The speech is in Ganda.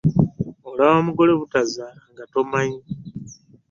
Olaba mugole butazaala nga tomanyi.